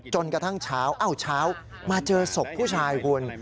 จนกระทั่งเช้าเช้ามาเจอศพผู้ชายคุณ